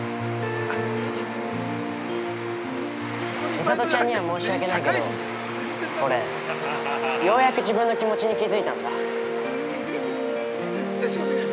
◆ミサトちゃんには申し訳ないけど、俺、ようやく自分の気持ちに気づいたんだ。